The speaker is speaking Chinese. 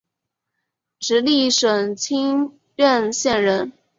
直隶省清苑县人。